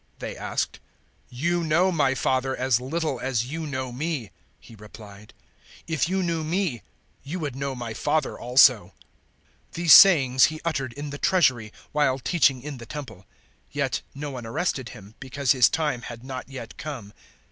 they asked. "You know my Father as little as you know me." He replied; "if you knew me, you would know my Father also." 008:020 These sayings He uttered in the Treasury, while teaching in the Temple; yet no one arrested Him, because His time had not yet come.